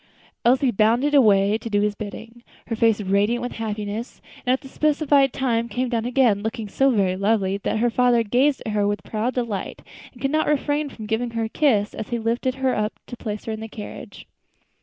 Elsie bounded away to do his bidding, her face radiant with happiness; and at the specified time came down again, looking so very lovely that her father gazed at her with proud delight, and could not refrain from giving her a kiss as he lifted her up to place her in the carriage.